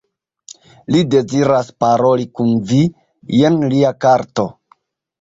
Li deziras paroli kun vi, jen lia karto.